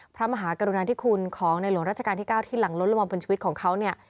พระมหากรุณาธิคุณของในหลวงราชการที่๙ที่หลังล้นลงมาบนชีวิตของเขาเนี่ย